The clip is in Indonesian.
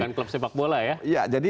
bukan klub sepak bola ya